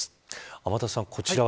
天達さん、こちらは